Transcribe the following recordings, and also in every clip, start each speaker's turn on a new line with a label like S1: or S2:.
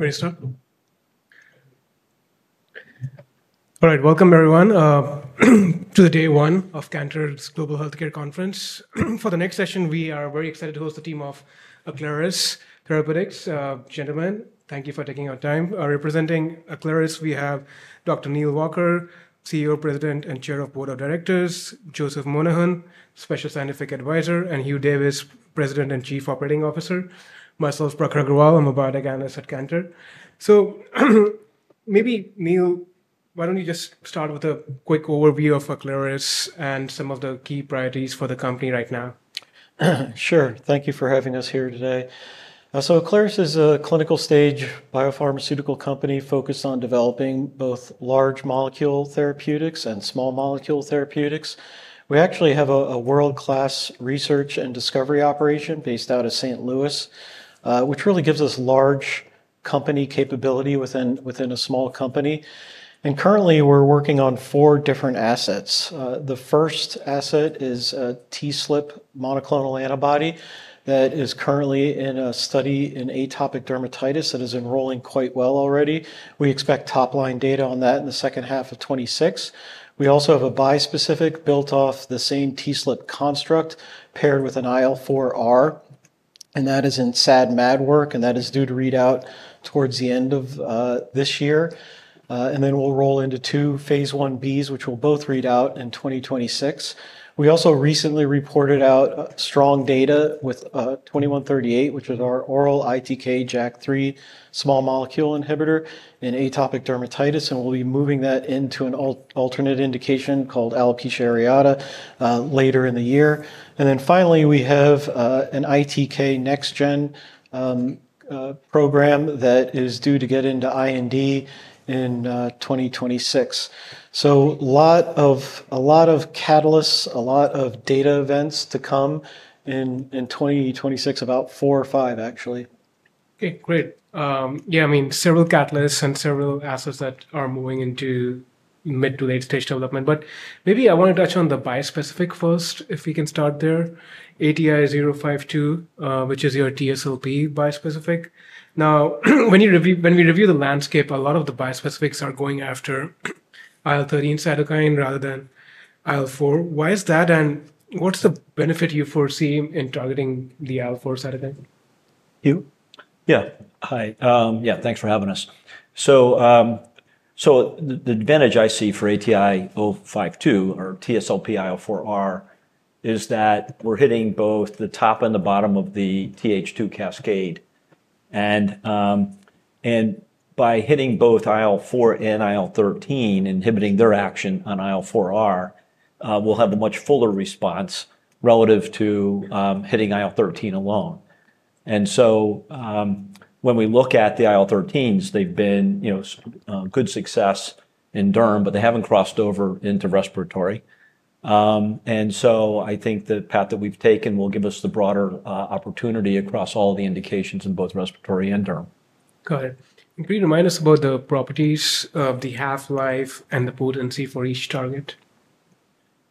S1: All right, welcome everyone to the day one of Cantor Global Healthcare Conference. For the next session, we are very excited to host the team of Aclaris Therapeutics. Gentlemen, thank you for taking your time. Representing Aclaris, we have Dr. Neal Walker, CEO, President, and Chair of Board of Directors; Joseph Monahan, Special Scientific Advisor; and Hugh Davis, President and Chief Operating Officer; myself, Prakhar Agrawal, a biotech analyst at Cantor. So maybe, Neal, why don't you just start with a quick overview of Aclaris and some of the key priorities for the company right now?
S2: Sure. Thank you for having us here today. So Aclaris is a clinical-stage biopharmaceutical company focused on developing both large molecule therapeutics and small molecule therapeutics. We actually have a world-class research and discovery operation based out of St. Louis, which really gives us large company capability within a small company. And currently, we're working on four different assets. The first asset is a TSLP monoclonal antibody that is currently in a study in atopic dermatitis that is enrolling quite well already. We expect top-line data on that in the second half of 2026. We also have a bispecific built off the same TSLP construct paired with an IL-4R, and that is in SAD/MAD work, and that is due to read out towards the end of this year. And then we'll roll into two Phase 1bs, which will both read out in 2026. We also recently reported out strong data with ATI-2138, which is our oral ITK/JAK3 small molecule inhibitor in atopic dermatitis, and we'll be moving that into an alternate indication called alopecia areata later in the year. And then finally, we have an ITK NextGen program that is due to get into IND in 2026. So a lot of catalysts, a lot of data events to come in 2026, about four or five, actually.
S1: Okay, great. Yeah, I mean, several catalysts and several assets that are moving into mid- to late-stage development. But maybe I want to touch on the bispecific first, if we can start there. ATI-052, which is your TSLP bispecific. Now, when we review the landscape, a lot of the bispecifics are going after IL-13 cytokine rather than IL-4. Why is that, and what's the benefit you foresee in targeting the IL-4 cytokine? Hugh?
S3: Yeah, hi. Yeah, thanks for having us. So the advantage I see for ATI-052, or TSLP IL-4R, is that we're hitting both the top and the bottom of the TH2 cascade. And by hitting both IL-4 and IL-13, inhibiting their action on IL-4R, we'll have a much fuller response relative to hitting IL-13 alone. And so when we look at the IL-13s, they've been good success in derm, but they haven't crossed over into respiratory. And so I think the path that we've taken will give us the broader opportunity across all the indications in both respiratory and derm.
S1: Got it. And could you remind us about the properties of the half-life and the potency for each target?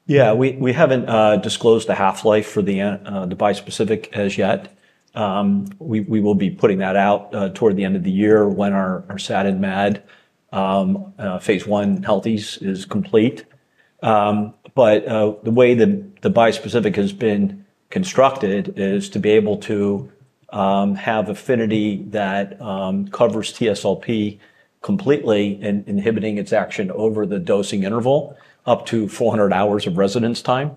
S3: Yeah, we haven't disclosed the half-life for the bispecific as yet. We will be putting that out toward the end of the year when our SAD/MAD Phase I healthies is complete. But the way the bispecific has been constructed is to be able to have affinity that covers TSLP completely and inhibiting its action over the dosing interval up to 400 hours of residence time.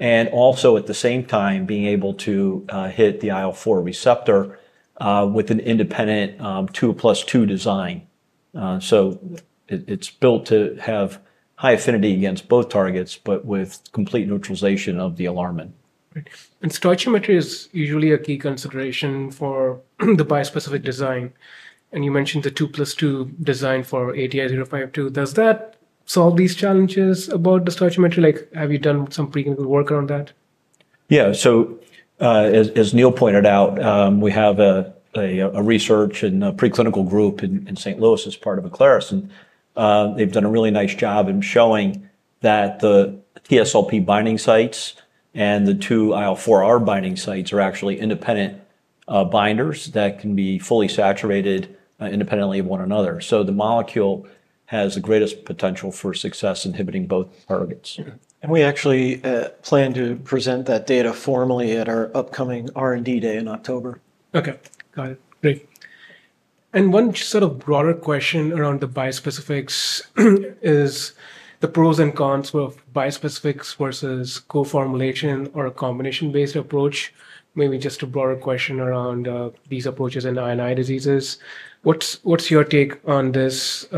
S3: And also, at the same time, being able to hit the IL-4 receptor with an independent 2+2 design. So it's built to have high affinity against both targets, but with complete neutralization of the alarmin.
S1: Stoichiometry is usually a key consideration for the bispecific design. You mentioned the 2+2 design for ATI-052. Does that solve these challenges about the stretching material? Have you done some preclinical work around that?
S3: Yeah, so as Neal pointed out, we have a research and preclinical group in St. Louis as part of Aclaris. And they've done a really nice job in showing that the TSLP binding sites and the two IL-4R binding sites are actually independent binders that can be fully saturated independently of one another. So the molecule has the greatest potential for success inhibiting both targets.
S2: We actually plan to present that data formally at our upcoming R&D Day in October.
S1: Okay, got it. Great. And one sort of broader question around the bispecifics is the pros and cons of bispecifics versus co-formulation or a combination-based approach. Maybe just a broader question around these approaches in I&I diseases. What's your take on this?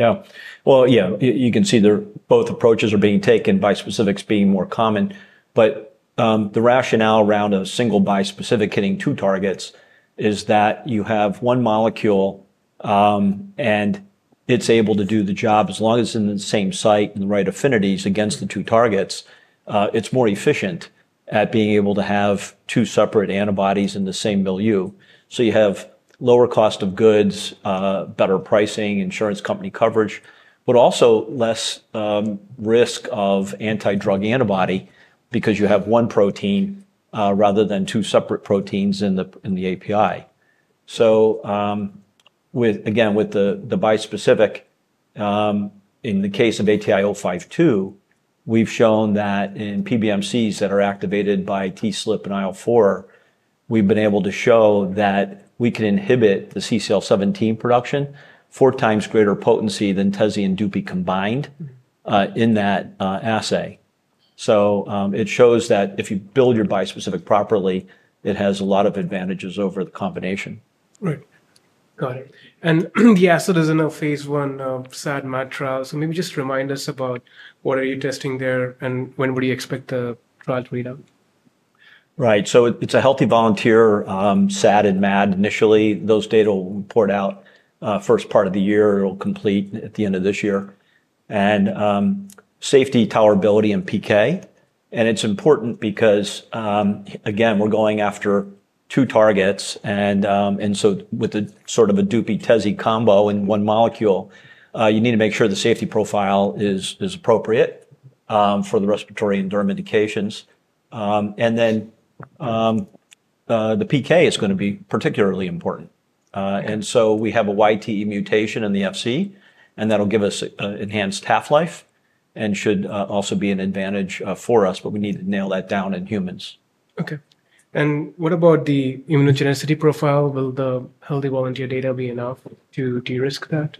S3: Yeah, well, yeah, you can see both approaches are being taken, bispecifics being more common. But the rationale around a single bispecific hitting two targets is that you have one molecule, and it's able to do the job as long as it's in the same site and the right affinities against the two targets. It's more efficient at being able to have two separate antibodies in the same milieu. So you have lower cost of goods, better pricing, insurance company coverage, but also less risk of anti-drug antibody because you have one protein rather than two separate proteins in the API. So again, with the bispecific, in the case of ATI-052, we've shown that in PBMCs that are activated by TSLP and IL-4, we've been able to show that we can inhibit the CCL17 production, four times greater potency than Tezi and Dupi combined in that assay. So it shows that if you build your bispecific properly, it has a lot of advantages over the combination.
S1: Right, got it. And the asset is in a Phase I SAD/MAD trial. So maybe just remind us about what are you testing there and when would you expect the trial to read out?
S3: Right, so it's a healthy volunteer SAD and MAD initially. Those data will report out first part of the year. It'll complete at the end of this year, and safety, tolerability, and PK. And it's important because, again, we're going after two targets. And so with sort of a Dupi-Tezi combo in one molecule, you need to make sure the safety profile is appropriate for the respiratory and derm indications. And then the PK is going to be particularly important. And so we have a YTE mutation in the Fc, and that'll give us enhanced half-life and should also be an advantage for us, but we need to nail that down in humans.
S1: Okay, and what about the immunogenicity profile? Will the healthy volunteer data be enough to de-risk that?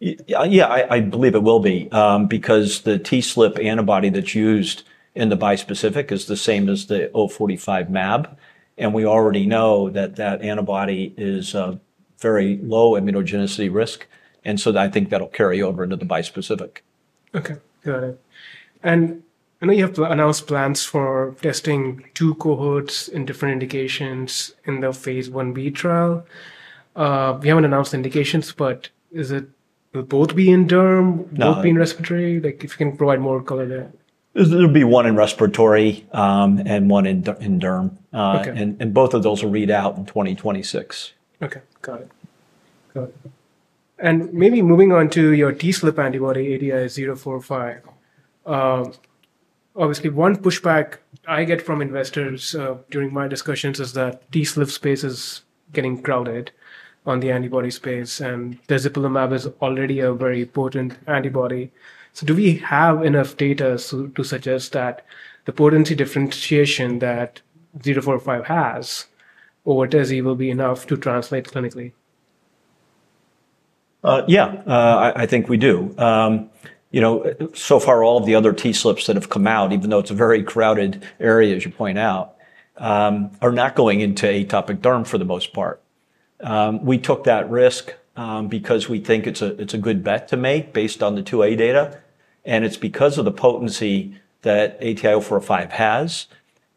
S3: Yeah, I believe it will be because the TSLP antibody that's used in the bispecific is the same as the ATI-045 mAb. And we already know that that antibody is very low immunogenicity risk. And so I think that'll carry over into the bispecific.
S1: Okay, got it, and I know you have to announce plans for testing two cohorts in different indications in the Phase 1b trial. We haven't announced indications, but will both be in derm, both be in respiratory? If you can provide more color there.
S3: There'll be one in respiratory and one in derm, and both of those will read out in 2026.
S1: Okay, got it. And maybe moving on to your TSLP antibody ATI-045. Obviously, one pushback I get from investors during my discussions is that TSLP space is getting crowded on the antibody space, and tezepelumab is already a very potent antibody. So do we have enough data to suggest that the potency differentiation that 045 has over Tezi will be enough to translate clinically?
S3: Yeah, I think we do. So far, all of the other TSLPs that have come out, even though it's a very crowded area, as you point out, are not going into atopic derm for the most part. We took that risk because we think it's a good bet to make based on the 2A data. It's because of the potency that ATI-045 has.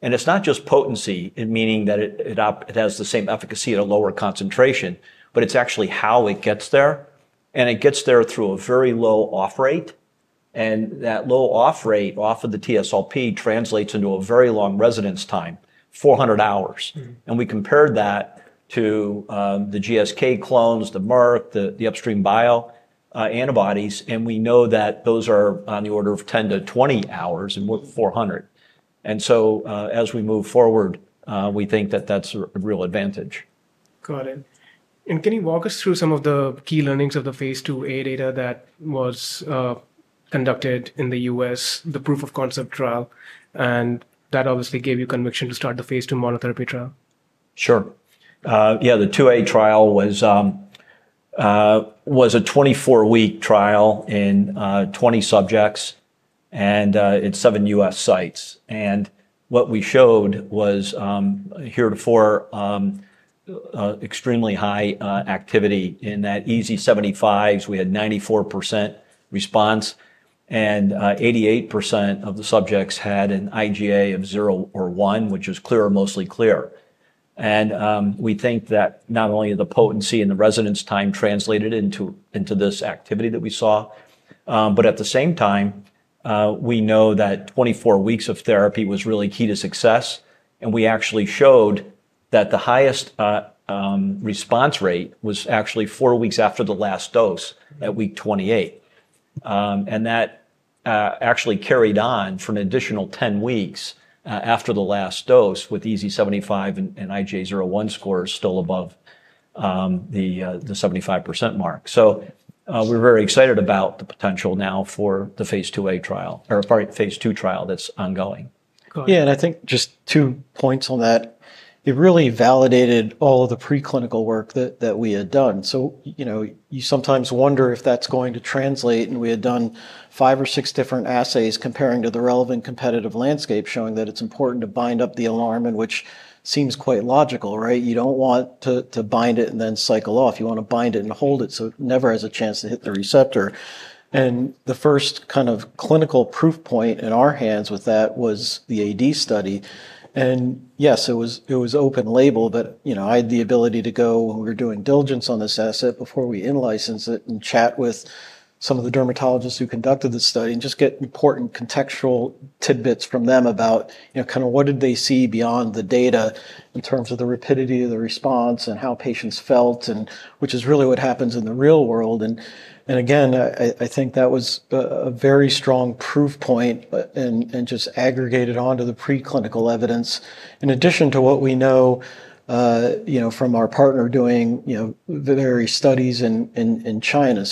S3: It's not just potency, meaning that it has the same efficacy at a lower concentration, but it's actually how it gets there. It gets there through a very low off-rate. That low off-rate off of the TSLP translates into a very long residence time, 400 hours. We compared that to the GSK clones, the Merck, the Upstream Bio antibodies, and we know that those are on the order of 10-20 hours versus 400. As we move forward, we think that that's a real advantage.
S1: Got it. And can you walk us through some of the key learnings of the Phase 2a data that was conducted in the U.S., the proof of concept trial? And that obviously gave you conviction to start the Phase II monotherapy trial.
S3: Sure. Yeah, the 2a trial was a 24-week trial in 20 subjects and at seven U.S. sites. And what we showed was heretofore extremely high activity in that EASI-75. We had 94% response, and 88% of the subjects had an IGA of zero or one, which is clear, mostly clear. And we think that not only the potency and the residence time translated into this activity that we saw, but at the same time, we know that 24 weeks of therapy was really key to success. And we actually showed that the highest response rate was actually four weeks after the last dose at week 28. And that actually carried on for an additional 10 weeks after the last dose with EASI-75 and IGA 0/1 scores still above the 75% mark. So we're very excited about the potential now for the Phase 2a trial or, sorry, Phase II trial that's ongoing.
S2: Yeah, and I think just two points on that. It really validated all of the preclinical work that we had done. So you sometimes wonder if that's going to translate. And we had done five or six different assays comparing to the relevant competitive landscape showing that it's important to bind up the alarmin, which seems quite logical, right? You don't want to bind it and then cycle off. You want to bind it and hold it so it never has a chance to hit the receptor. And the first kind of clinical proof point in our hands with that was the AD study. Yes, it was open label, but I had the ability to go and we were doing diligence on this asset before we in-licensed it and chat with some of the dermatologists who conducted the study and just get important contextual tidbits from them about kind of what did they see beyond the data in terms of the rapidity of the response and how patients felt, which is really what happens in the real world. Again, I think that was a very strong proof point and just aggregated onto the preclinical evidence in addition to what we know from our partner doing various studies in China.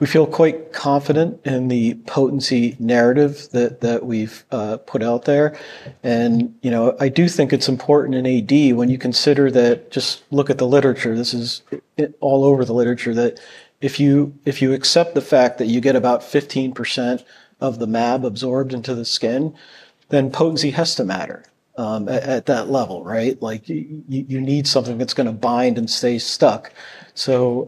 S2: We feel quite confident in the potency narrative that we've put out there. I do think it's important in AD when you consider that just look at the literature. This is all over the literature that if you accept the fact that you get about 15% of the mAb absorbed into the skin, then potency has to matter at that level, right? You need something that's going to bind and stay stuck. So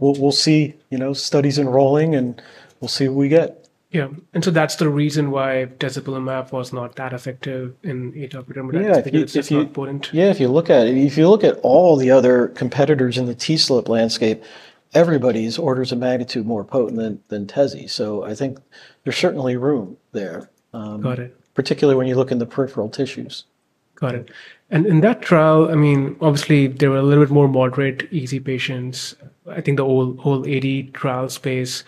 S2: we'll see studies enrolling and we'll see what we get.
S1: Yeah. And so that's the reason why tezepelumab was not that effective in atopic dermatitis. I think it's important.
S2: Yeah, if you look at it, if you look at all the other competitors in the TSLP landscape, everybody's orders of magnitude more potent than Tezi. So I think there's certainly room there, particularly when you look in the peripheral tissues.
S1: Got it. And in that trial, I mean, obviously, there were a little bit more moderate EASI patients. I think the whole AD trial space,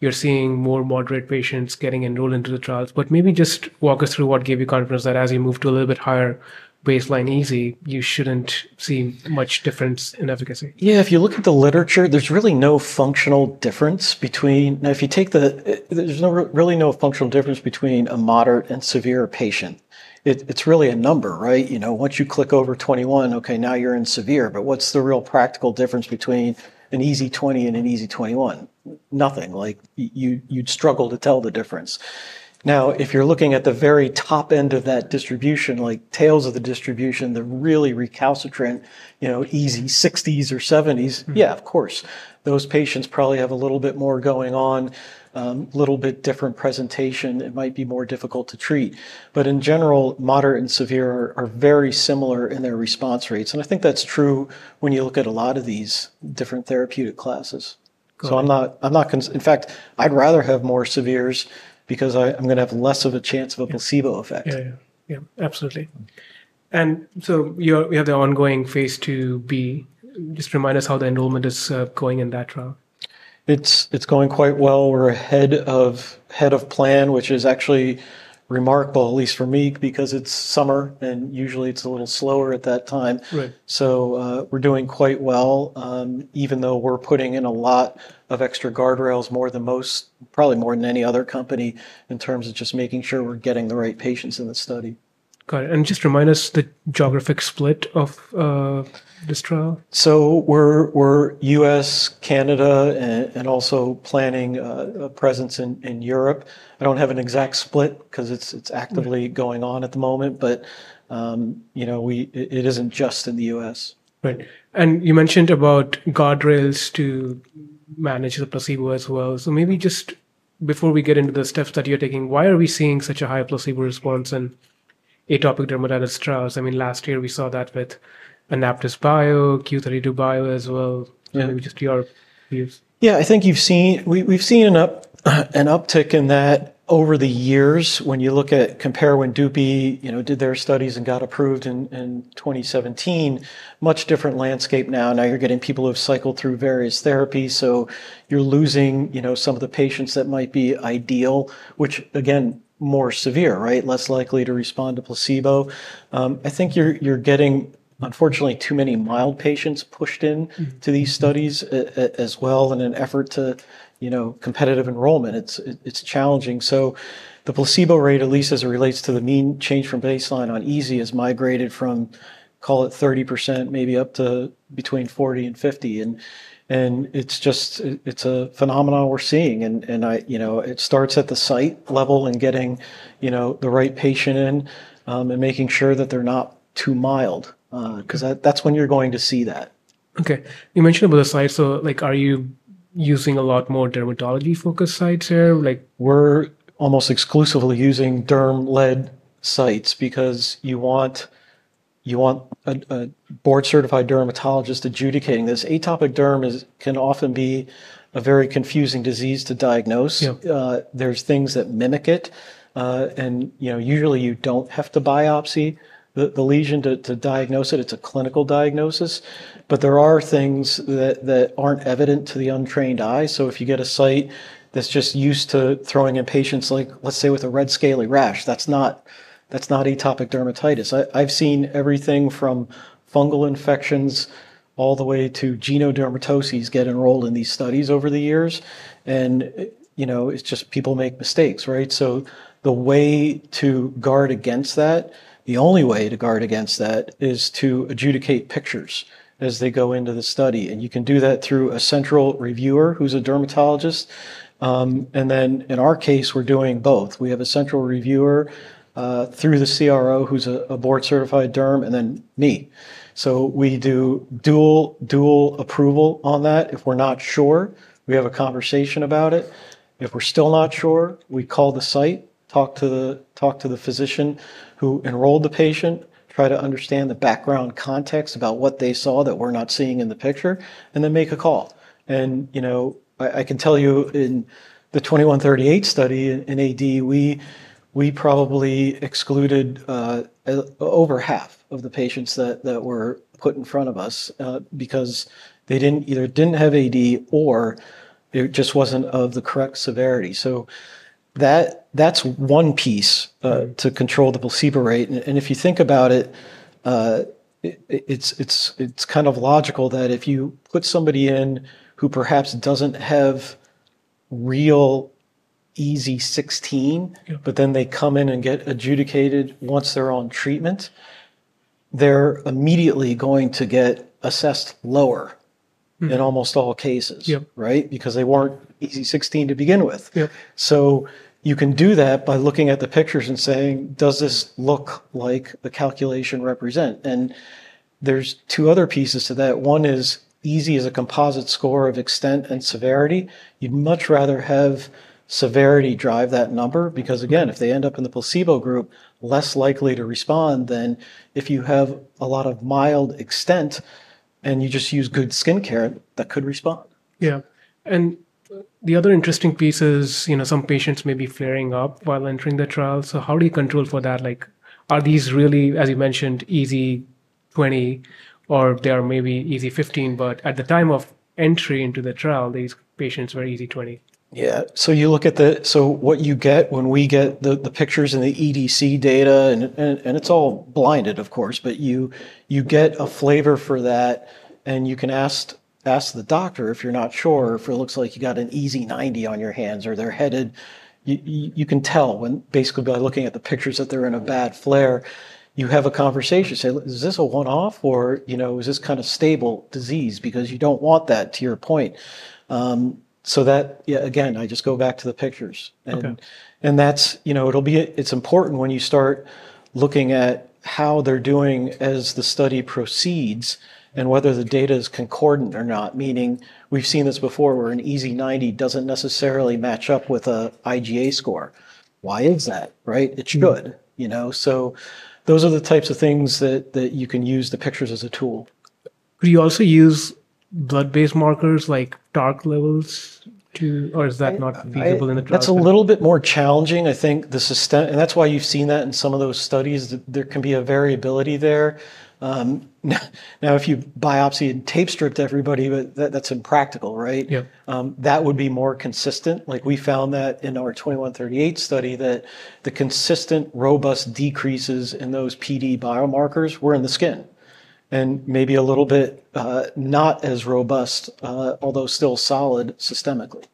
S1: you're seeing more moderate patients getting enrolled into the trials. But maybe just walk us through what gave you confidence that as you move to a little bit higher baseline EASI, you shouldn't see much difference in efficacy.
S2: Yeah, if you look at the literature, there's really no functional difference between a moderate and severe patient. It's really a number, right? Once you click over 21, okay, now you're in severe. But what's the real practical difference between an EASI 20 and an EASI 21? Nothing. You'd struggle to tell the difference. Now, if you're looking at the very top end of that distribution, like tails of the distribution, the really recalcitrant EASI 60s or 70s, yeah, of course, those patients probably have a little bit more going on, a little bit different presentation. It might be more difficult to treat. But in general, moderate and severe are very similar in their response rates. I think that's true when you look at a lot of these different therapeutic classes. So, I'm not. In fact, I'd rather have more severe because I'm going to have less of a chance of a placebo effect.
S1: Yeah, absolutely. And so we have the ongoing Phase 2b. Just remind us how the enrollment is going in that trial.
S2: It's going quite well. We're ahead of plan, which is actually remarkable, at least for me, because it's summer and usually it's a little slower at that time. So we're doing quite well, even though we're putting in a lot of extra guardrails, more than most, probably more than any other company in terms of just making sure we're getting the right patients in the study.
S1: Got it. And just remind us the geographic split of this trial?
S2: So we're U.S., Canada, and also planning a presence in Europe. I don't have an exact split because it's actively going on at the moment, but it isn't just in the U.S.
S1: Right. And you mentioned about guardrails to manage the placebo as well. So maybe just before we get into the steps that you're taking, why are we seeing such a high placebo response in atopic dermatitis trials? I mean, last year we saw that with AnaptysBio, Q32 Bio as well. Maybe just your views.
S2: Yeah, I think we've seen an uptick in that over the years when you look at compare when Dupi did their studies and got approved in 2017, much different landscape now. Now you're getting people who have cycled through various therapies. So you're losing some of the patients that might be ideal, which again, more severe, right? Less likely to respond to placebo. I think you're getting, unfortunately, too many mild patients pushed into these studies as well in an effort to competitive enrollment. It's challenging. So the placebo rate, at least as it relates to the mean change from baseline on EASI, has migrated from, call it 30%, maybe up to between 40% and 50%. And it's just, it's a phenomenon we're seeing. It starts at the site level and getting the right patient in and making sure that they're not too mild because that's when you're going to see that.
S1: Okay. You mentioned about the site. So are you using a lot more dermatology-focused sites here?
S2: We're almost exclusively using derm-led sites because you want a board-certified dermatologist adjudicating this. Atopic derm can often be a very confusing disease to diagnose. There's things that mimic it, and usually, you don't have to biopsy the lesion to diagnose it. It's a clinical diagnosis, but there are things that aren't evident to the untrained eye, so if you get a site that's just used to throwing in patients, let's say with a red scaly rash, that's not atopic dermatitis. I've seen everything from fungal infections all the way to genodermatoses get enrolled in these studies over the years, and it's just people make mistakes, right, so the way to guard against that, the only way to guard against that is to adjudicate pictures as they go into the study, and you can do that through a central reviewer who's a dermatologist. Then in our case, we're doing both. We have a central reviewer through the CRO who's a board-certified derm and then me. So we do dual approval on that. If we're not sure, we have a conversation about it. If we're still not sure, we call the site, talk to the physician who enrolled the patient, try to understand the background context about what they saw that we're not seeing in the picture, and then make a call. I can tell you in the ATI-2138 study in AD, we probably excluded over half of the patients that were put in front of us because they either didn't have AD or it just wasn't of the correct severity. So that's one piece to control the placebo rate. And if you think about it, it's kind of logical that if you put somebody in who perhaps doesn't have real EASI 16, but then they come in and get adjudicated once they're on treatment, they're immediately going to get assessed lower in almost all cases, right? Because they weren't EASI 16 to begin with. So you can do that by looking at the pictures and saying, does this look like the calculation represent? And there's two other pieces to that. One is EASI as a composite score of extent and severity. You'd much rather have severity drive that number because, again, if they end up in the placebo group, less likely to respond than if you have a lot of mild extent and you just use good skincare, that could respond.
S1: Yeah. And the other interesting piece is some patients may be flaring up while entering the trial. So how do you control for that? Are these really, as you mentioned, EASI 20 or they are maybe EASI 15? But at the time of entry into the trial, these patients were EASI 20.
S2: Yeah. So you look at the, so what you get when we get the pictures and the EDC data, and it's all blinded, of course, but you get a flavor for that. And you can ask the doctor if you're not sure if it looks like you got an EASI-90 on your hands or they're headed. You can tell when basically by looking at the pictures that they're in a bad flare, you have a conversation. Say, is this a one-off or is this kind of stable disease? Because you don't want that, to your point. So that, again, I just go back to the pictures. And that's, it'll be, it's important when you start looking at how they're doing as the study proceeds and whether the data is concordant or not. Meaning we've seen this before where an EASI-90 doesn't necessarily match up with an IGA score. Why is that, right? It's good. So those are the types of things that you can use the pictures as a tool.
S1: Do you also use blood-based markers like TARC levels to, or is that not feasible in the trial?
S2: That's a little bit more challenging, I think. And that's why you've seen that in some of those studies. There can be a variability there. Now, if you biopsy and tape strip everybody, that's impractical, right? That would be more consistent. We found that in our ATI-2138 study that the consistent robust decreases in those PD biomarkers were in the skin and maybe a little bit not as robust, although still solid systemically.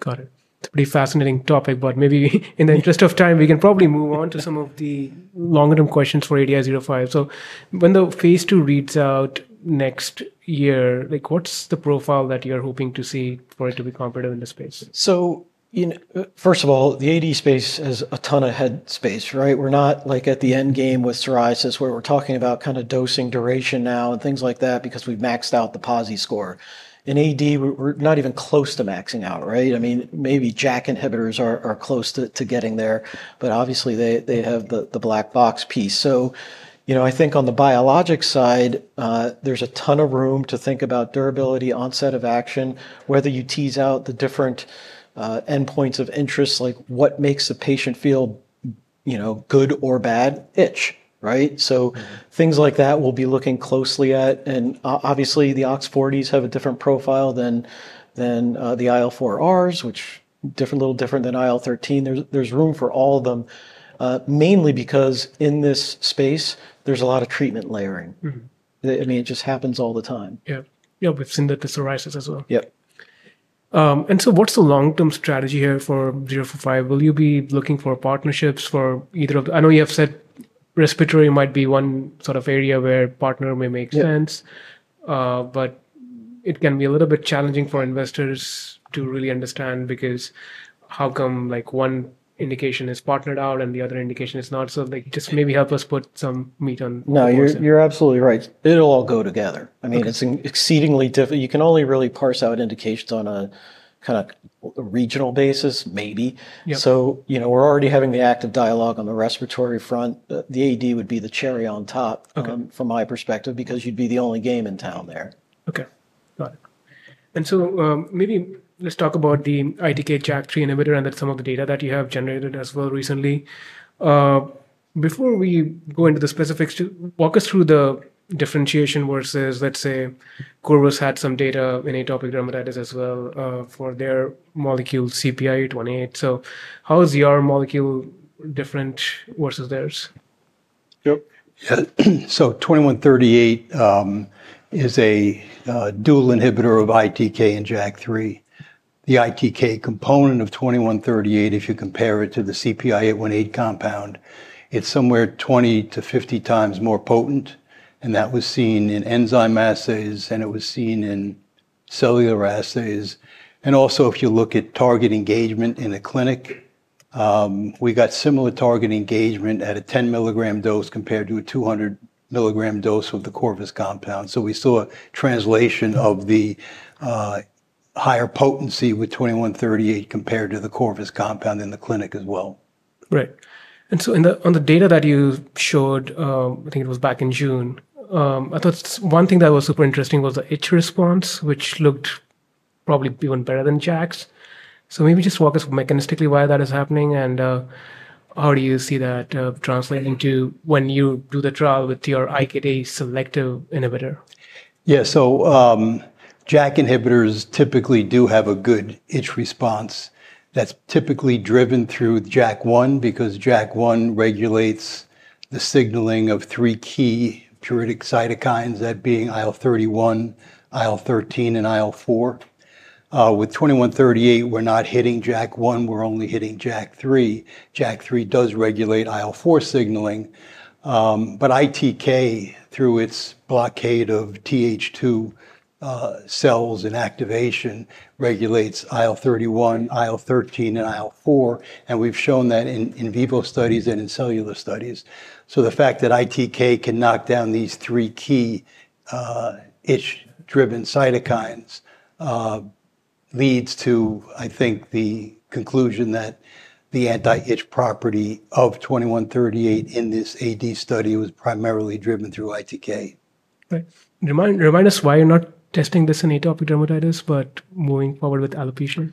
S1: Got it. It's a pretty fascinating topic, but maybe in the interest of time, we can probably move on to some of the longer-term questions for ATI-045. So when the Phase II reads out next year, what's the profile that you're hoping to see for it to be competitive in this space?
S2: So first of all, the AD space has a ton of head space, right? We're not like at the end game with psoriasis where we're talking about kind of dosing duration now and things like that because we've maxed out the PASI score. In AD, we're not even close to maxing out, right? I mean, maybe JAK inhibitors are close to getting there, but obviously they have the black box piece. So I think on the biologic side, there's a ton of room to think about durability, onset of action, whether you tease out the different endpoints of interest, like what makes the patient feel good or bad itch, right? So things like that we'll be looking closely at. And obviously, the OX40s have a different profile than the IL-4Rs, which are a little different than IL-13. There's room for all of them, mainly because in this space, there's a lot of treatment layering. I mean, it just happens all the time.
S1: Yeah. Yeah, we've seen that with psoriasis as well.
S2: Yep.
S1: And so, what's the long-term strategy here for 045? Will you be looking for partnerships for either of the? I know you have said respiratory might be one sort of area where partner may make sense, but it can be a little bit challenging for investors to really understand because how come one indication is partnered out and the other indication is not? So just maybe help us put some meat on the table.
S2: No, you're absolutely right. It'll all go together. I mean, it's exceedingly difficult. You can only really parse out indications on a kind of regional basis, maybe. So we're already having the active dialogue on the respiratory front. The AD would be the cherry on top from my perspective because you'd be the only game in town there.
S1: Okay. Got it. And so maybe let's talk about the ITK/JAK3 inhibitor and then some of the data that you have generated as well recently. Before we go into the specifics, walk us through the differentiation versus, let's say, Corvus had some data in atopic dermatitis as well for their molecule CPI-818. So how is your molecule different versus theirs?
S4: Yep. So ATI-2138 is a dual inhibitor of ITK and JAK3. The ITK component of ATI-2138, if you compare it to the CPI-818 compound, it's somewhere 20-50 times more potent. And that was seen in enzyme assays and it was seen in cellular assays. And also, if you look at target engagement in the clinic, we got similar target engagement at a 10 mg dose compared to a 200 mg dose of the Corvus compound. So we saw a translation of the higher potency with ATI-2138 compared to the Corvus compound in the clinic as well.
S1: Right. And so on the data that you showed, I think it was back in June, I thought one thing that was super interesting was the itch response, which looked probably even better than JAKs. So maybe just walk us mechanistically why that is happening and how do you see that translating to when you do the trial with your ITK selective inhibitor?
S4: Yeah. So JAK inhibitors typically do have a good itch response. That's typically driven through JAK1 because JAK1 regulates the signaling of three key pruritic cytokines, that being IL-31, IL-13, and IL-4. With 2138, we're not hitting JAK1. We're only hitting JAK3. JAK3 does regulate IL-4 signaling, but ITK through its blockade of TH2 cells and activation regulates IL-31, IL-13, and IL-4. And we've shown that in vivo studies and in cellular studies. So the fact that ITK can knock down these three key itch-driven cytokines leads to, I think, the conclusion that the anti-itch property of 2138 in this AD study was primarily driven through ITK.
S1: Right. Remind us why you're not testing this in atopic dermatitis, but moving forward with alopecia?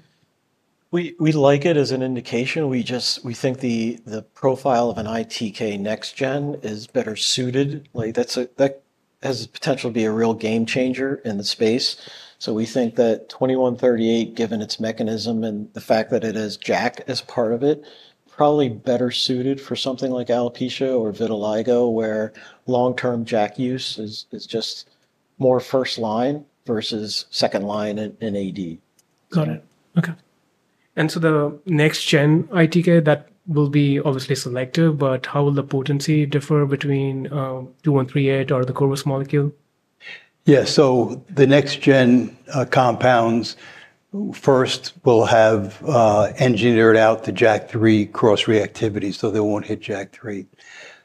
S4: We like it as an indication. We think the profile of an ITK next gen is better suited. That has the potential to be a real game changer in the space. So we think that 2138, given its mechanism and the fact that it has JAK as part of it, probably better suited for something like alopecia or vitiligo, where long-term JAK use is just more first line versus second line in AD.
S1: Got it. Okay. And so the next gen ITK, that will be obviously selective, but how will the potency differ between 2138 or the Corvus molecule?
S4: Yeah. So the next-gen compounds first will have engineered out the JAK3 cross-reactivity, so they won't hit JAK3.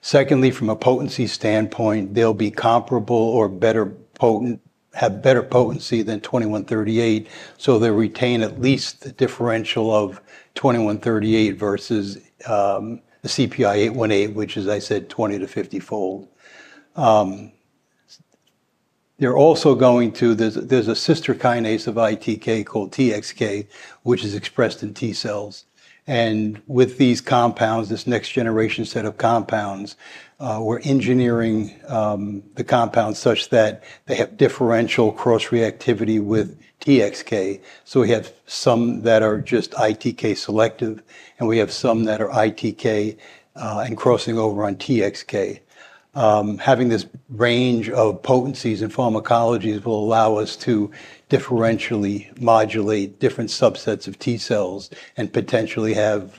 S4: Secondly, from a potency standpoint, they'll be comparable or better potent, have better potency than 2138. So they retain at least the differential of 2138 versus the CPI-818, which, as I said, 20- to 50-fold. They're also going to. There's a sister kinase of ITK called TXK, which is expressed in T cells. And with these compounds, this next-generation set of compounds, we're engineering the compounds such that they have differential cross-reactivity with TXK. So we have some that are just ITK selective, and we have some that are ITK and crossing over on TXK. Having this range of potencies and pharmacologies will allow us to differentially modulate different subsets of T cells and potentially have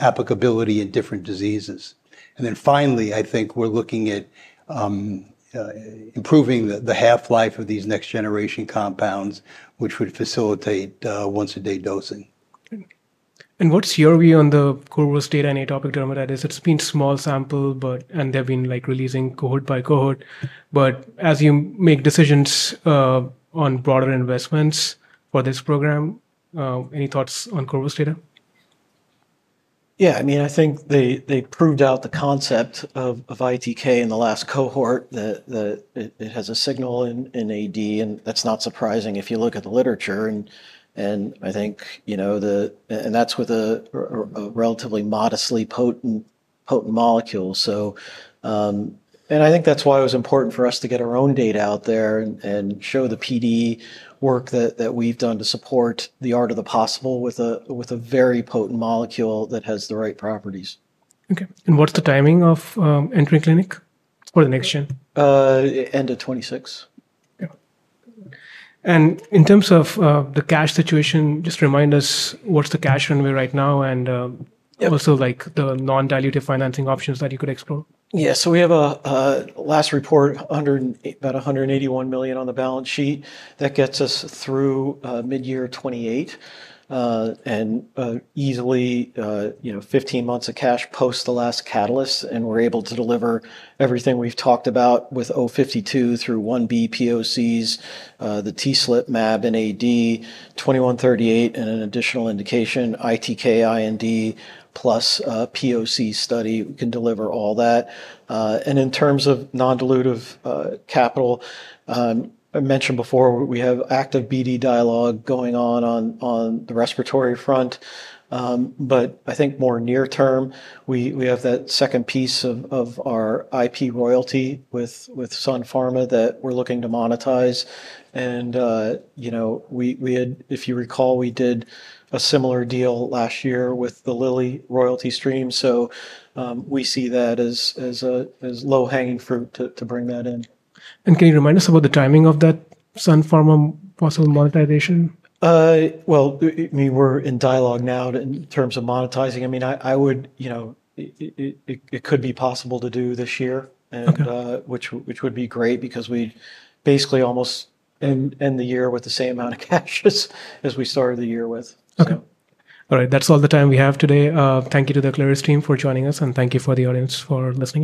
S4: applicability in different diseases. And then finally, I think we're looking at improving the half-life of these next generation compounds, which would facilitate once-a-day dosing.
S1: What's your view on the Corvus data in atopic dermatitis? It's been a small sample, and they've been releasing cohort by cohort. But as you make decisions on broader investments for this program, any thoughts on Corvus data?
S2: Yeah. I mean, I think they proved out the concept of ITK in the last cohort. It has a signal in AD, and that's not surprising if you look at the literature. And I think, and that's with a relatively modestly potent molecule. And I think that's why it was important for us to get our own data out there and show the PD work that we've done to support the art of the possible with a very potent molecule that has the right properties.
S1: Okay. And what's the timing of entering clinic for the next gen?
S2: End of 2026.
S1: Yeah, and in terms of the cash situation, just remind us what's the cash runway right now and also the non-dilutive financing options that you could explore?
S2: Yeah. So we have a latest report, about $181 million on the balance sheet that gets us through mid-year 2028 and easily 15 months of cash post the last catalyst, and we're able to deliver everything we've talked about with 052 through 1b POCs, the TSLP mAb in AD, 2138, and an additional indication, ITK IND plus POC study. We can deliver all that. In terms of non-dilutive capital, I mentioned before we have active BD dialogue going on on the respiratory front. But I think more near term, we have that second piece of our IP royalty with Sun Pharma that we're looking to monetize. If you recall, we did a similar deal last year with the Lilly royalty stream. So we see that as low-hanging fruit to bring that in.
S1: Can you remind us about the timing of that Sun Pharma possible monetization?
S2: We were in dialogue now in terms of monetizing. I mean, I would, it could be possible to do this year, which would be great because we'd basically almost end the year with the same amount of cash as we started the year with.
S1: Okay. All right. That's all the time we have today. Thank you to the Aclaris team for joining us, and thank you to the audience for listening.